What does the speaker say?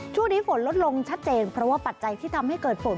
ช่วงนี้ฝนลดลงชัดเจนเพราะว่าปัจจัยที่ทำให้เกิดฝน